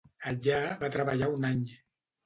Allà va treballar un any.